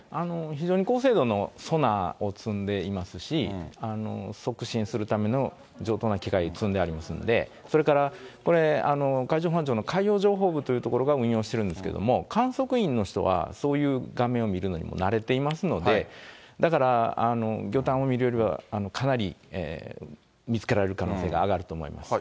非常に高精度のソナーを積んでいますし、促進するための上等な機械積んでありますので、それからこれ、海上保安庁の海洋情報部というところが運用してるんですけど、観測員の人がそういう画面を見るのにも慣れていますので、だから、魚探を見るよりはかなり見つけられる可能性が上がると思います。